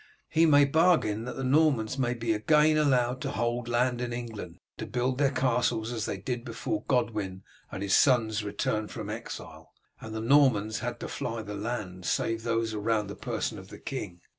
He may bargain that the Normans may be again allowed to hold land in England, and to build their castles, as they did before Godwin and his sons returned from exile, and the Normans had to fly the land, save those around the person of the king.